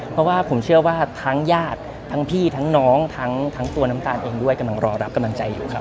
เพราะว่าผมเชื่อว่าทั้งญาติทั้งพี่ทั้งน้องทั้งตัวน้ำตาลเองด้วยกำลังรอรับกำลังใจอยู่ครับ